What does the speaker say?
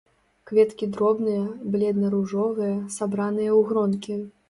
Кветкі дробныя, бледна-ружовыя, сабраныя ў гронкі.